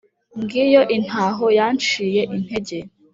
ngiyo intaho yanciye intege.